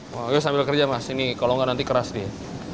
wah yuk sambil kerja mas ini kalau nggak nanti keras nih